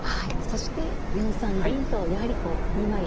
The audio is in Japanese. そして４三銀とやはりこう２枚の。